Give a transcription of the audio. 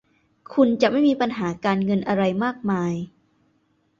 คุณจะไม่มีปัญหาการเงินอะไรมากมาย